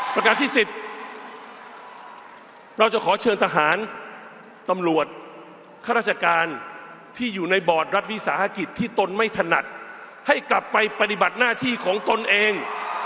ประการที่๑๐เราจะขอเชิญทหารตำรวจข้าราชการที่อยู่ในบอร์ดรัฐวิสาหกิจที่ตนไม่ถนัดให้กลับไปปฏิบัติหน้าที่ของตนเอง